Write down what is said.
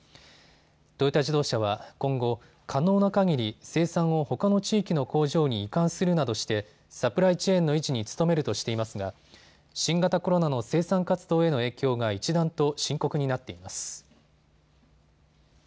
トヨタ自動車は今後、可能なかぎり生産をほかの地域の工場に移管するなどしてサプライチェーンの維持に努めるとしていますが新型コロナの生産活動への影響が一段と深刻になっています。